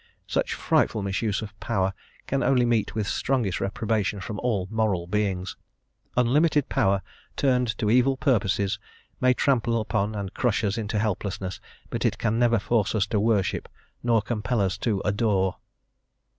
Such frightful misuse of power can only meet with strongest reprobation from all moral beings; unlimited power turned to evil purposes may trample upon and crush us into helplessness, but it can never force us to worship, nor compel us to adore.